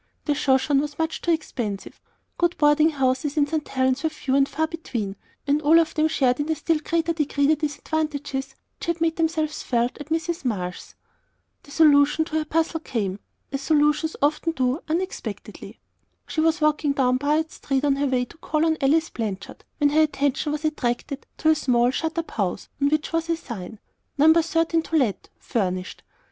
The Shoshone was much too expensive; good boarding houses in St. Helen's were few and far between, and all of them shared in a still greater degree the disadvantages which had made themselves felt at Mrs. Marsh's. The solution to her puzzle came as solutions often do unexpectedly. She was walking down Piute Street on her way to call on Alice Blanchard, when her attention was attracted to a small, shut up house, on which was a sign: "No. 13. To Let, Furnished."